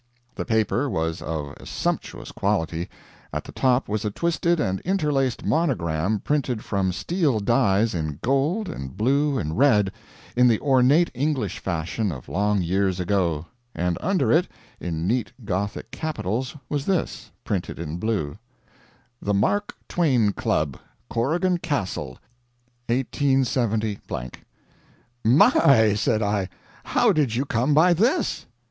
The paper was of a sumptuous quality. At the top was a twisted and interlaced monogram printed from steel dies in gold and blue and red, in the ornate English fashion of long years ago; and under it, in neat gothic capitals was this printed in blue: THE MARK TWAIN CLUB CORRIGAN CASTLE ............187.. "My!" said I, "how did you come by this?"